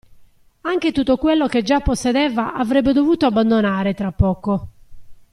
Anche tutto quello che già possedeva avrebbe dovuto abbandonare, tra poco.